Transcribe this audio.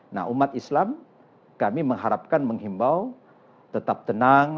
nah umat islam kami mengharapkan menghimbau tetap tenang